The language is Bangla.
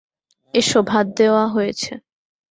এস, ভাত দেওয়া হয়েছে।